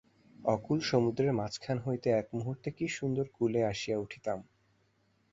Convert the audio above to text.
অকূল সমুদ্রের মাঝখান হইতে এক মুহূর্তে কী সুন্দর কূলে আসিয়া উঠিতাম।